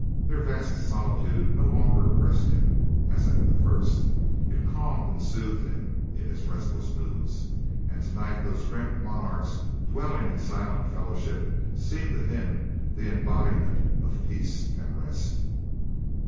Their vast solitude no longer oppressed him as at the first; it calmed and soothed him in his restless moods, and to night those grim monarchs dwelling in silent fellowship seemed to him the embodiment of peace and rest.